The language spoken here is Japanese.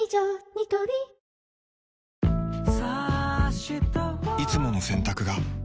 ニトリいつもの洗濯が